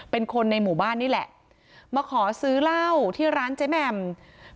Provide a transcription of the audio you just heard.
เป็นคนในหมู่บ้านนี่แหละมาขอซื้อเหล้าที่ร้านเจ๊แหม่ม